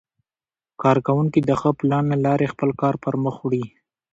کارکوونکي د ښه پلان له لارې خپل کار پرمخ وړي